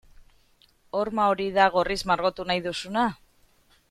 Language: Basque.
Horma hori da gorriz margotu nahi duzuna?